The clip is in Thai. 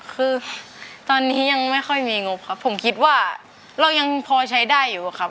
คือตอนนี้ยังไม่ค่อยมีงบครับผมคิดว่าเรายังพอใช้ได้อยู่ครับ